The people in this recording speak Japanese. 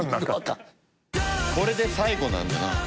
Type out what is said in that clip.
「これで最後なんだな」